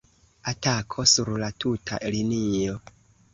Atako sur la tuta linio!